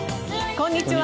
こんにちは。